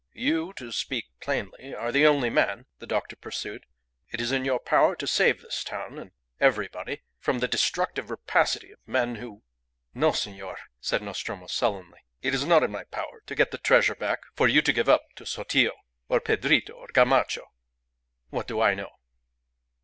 "You, to speak plainly, are the only man," the doctor pursued. "It is in your power to save this town and ... everybody from the destructive rapacity of men who " "No, senor," said Nostromo, sullenly. "It is not in my power to get the treasure back for you to give up to Sotillo, or Pedrito, or Gamacho. What do I know?"